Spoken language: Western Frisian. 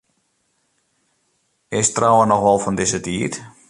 Is trouwen noch wol fan dizze tiid?